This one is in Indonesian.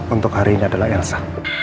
untuk hari ini adalah elsa